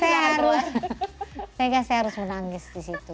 saya harus sehingga saya harus menangis di situ